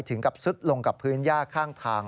ถึงกับซุดลงกับพื้นย่าข้างทาง